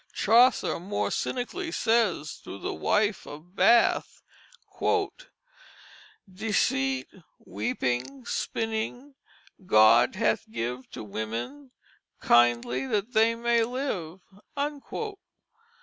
Chaucer more cynically says, through the Wife of Bath: "Deceite, weepynge, spynnynge God hath give To wymmen kyndely that they may live."